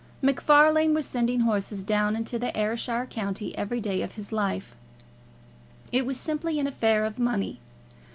MacFarlane was sending horses down into the Ayrshire country every day of his life. It was simply an affair of money.